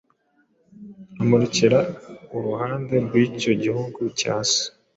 amurekera uruhande rw’icyo gihugu cya se,